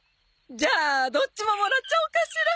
じゃあどっちももらっちゃおうかしら。